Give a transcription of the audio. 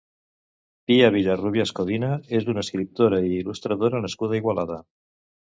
Pia Vilarrubias Codina és una escriptora i il·lustradora nascuda a Igualada.